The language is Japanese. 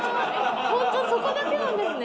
ホントそこだけなんですね。